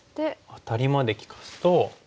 アタリまで利かすと。